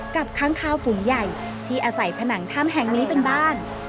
ค้างคาวฝูงใหญ่ที่อาศัยผนังถ้ำแห่งนี้เป็นบ้าน